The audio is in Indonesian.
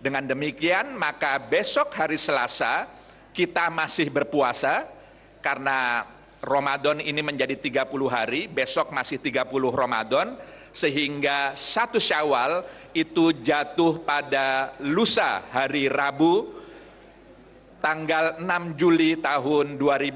dengan demikian maka besok hari selasa kita masih berpuasa karena ramadan ini menjadi tiga puluh hari besok masih tiga puluh ramadan sehingga satu syawal itu jatuh pada lusa hari rabu tanggal enam juli tahun dua ribu enam belas